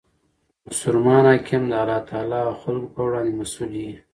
مسلمان حاکم د الله تعالی او خلکو په وړاندي مسئول يي.